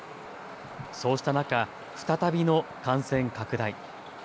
そうした中、再びの感染拡大。